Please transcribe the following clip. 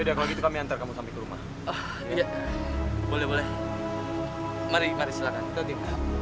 semoga kalian betah tinggal disini